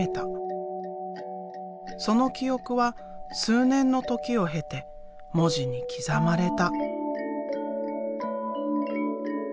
その記憶は数年の時を経て文字に刻まれた。